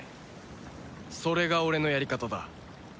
それが俺のやり方だ。